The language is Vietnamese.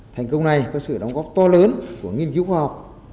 thành công này có sự đóng góp to lớn của nghiên cứu khoa học